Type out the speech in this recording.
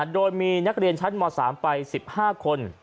โดยมีนักเรียนชั้นม๓ไป๑๕คน